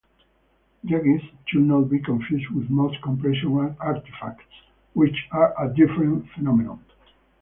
Jaggies should not be confused with most compression artifacts, which are a different phenomenon.